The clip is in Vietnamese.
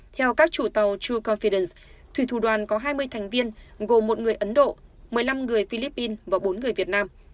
theo các chủ tàu true confidence thủy thủ đoàn có hai mươi thành viên gồm một người ấn độ một mươi năm người philippines và bốn người việt nam